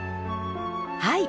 はい。